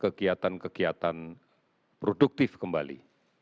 kegiatan kegiatan produktif kembali